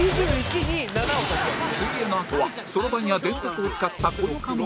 水泳のあとはそろばんや電卓を使ったこの科目